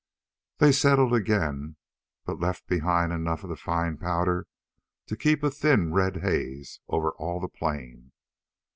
They settled again but left behind enough of the fine powder to keep a thin red haze over all the plain.